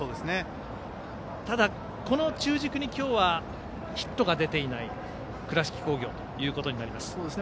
ただ、この中軸に今日はヒットが出ていない倉敷工業となります。